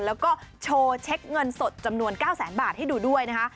แล้วก็โชว์เช็คเงินสดจำนวน๙แสนบาทให้ดูด้วยนะคะ